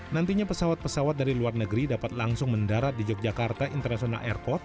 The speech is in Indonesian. nantinya pesawat pesawat dari luar negeri dapat langsung mendarat di yogyakarta international airport